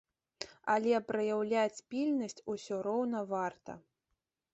Але праяўляць пільнасць ўсё роўна варта.